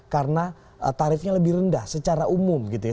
karena tarifnya lebih rendah secara umum gitu ya